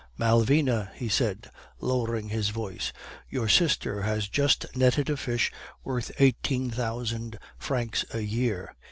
'Malvina,' he said, lowering his voice, 'your sister has just netted a fish worth eighteen thousand francs a year.